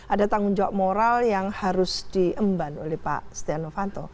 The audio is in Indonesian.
ada tanggung jawab moral yang harus diemban oleh pak setia novanto